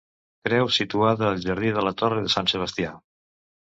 Creu situada al jardí de la torre de Sant Sebastià.